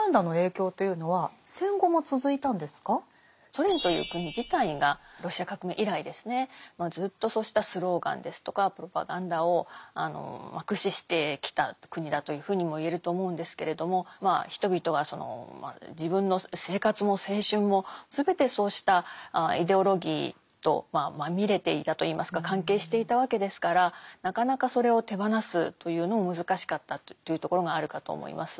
ソ連という国自体がロシア革命以来ですねずっとそうしたスローガンですとかプロパガンダを駆使してきた国だというふうにも言えると思うんですけれども人々がその自分の生活も青春も全てそうしたイデオロギーとまみれていたといいますか関係していたわけですからなかなかそれを手放すというのも難しかったというところがあるかと思います。